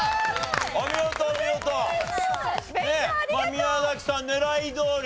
宮崎さん狙いどおり。